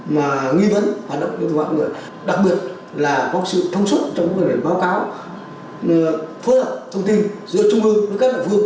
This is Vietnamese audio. mà nghi vấn hoạt động cho tội phạm người đặc biệt là có sự thông suất trong các báo cáo phối hợp thông tin giữa trung ương với các đại phương